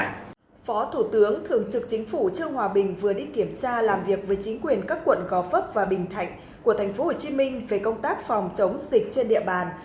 thường trực chính phủ trương hòa bình vừa đi kiểm tra làm việc với chính quyền các quận gò phấp và bình thạnh của tp hcm về công tác phòng chống dịch trên địa bàn